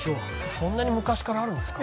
そんなに昔からあるんですか？